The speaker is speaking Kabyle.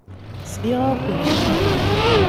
Sliɣ-ak-n.